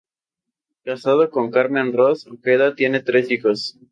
Casado con Carmen Ros Ojeda, tiene tres hijos.